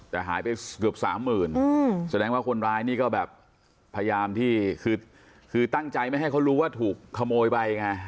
แต่หายไปเกือบสามหมื่นแสดงว่าคนร้ายนี่ก็แบบพยายามที่คือตั้งใจไม่ให้เขารู้ว่าถูกขโมยไปไง